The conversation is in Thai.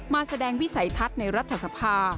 มาแสดงวิสัยทัศน์ในรัฐสภา